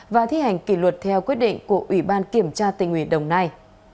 và thi hành kỷ luật theo quyết định của ủy ban kiểm tra tình ủy đồng nai